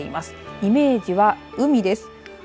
イメージは海です。